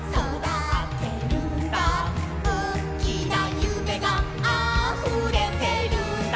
「おっきな夢があふれてるんだ」